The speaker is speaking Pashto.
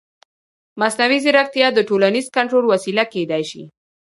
مصنوعي ځیرکتیا د ټولنیز کنټرول وسیله کېدای شي.